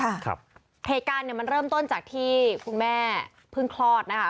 ครับเหตุการณ์เนี้ยมันเริ่มต้นจากที่คุณแม่เพิ่งคลอดนะคะ